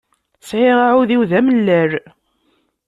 Sεiɣ aεudiw d amellal.